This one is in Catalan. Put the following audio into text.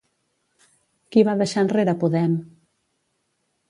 Qui va deixar enrere Podem?